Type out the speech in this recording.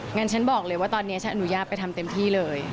งั้นฉันบอกเลยว่าตอนนี้ฉันอนุญาตไปทำเต็มที่เลย